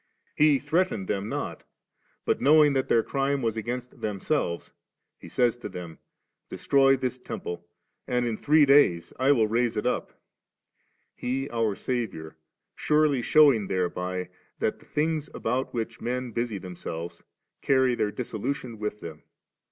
He threatened them not ; bat knowing that their crime was against diem selves. He says to them, ' Destroy this Tenq)le^ and in three days I will raise it up 3,' He, oar Saviour, surely shewing thereby that the thii^ about which men busy themselves, carry their dissolution with them.